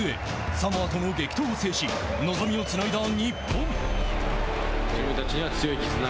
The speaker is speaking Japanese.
サモアとの激闘を制し望みをつないだ日本。